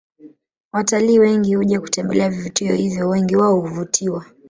Watalii wengi huja kutembelea vivutio hivyo wengi wao huvutiwa